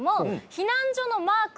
避難所のマーク？